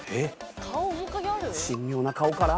神妙な顔から。